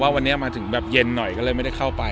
วันนี้มาถึงแบบเย็นหน่อยก็เลยไม่ได้เข้าไป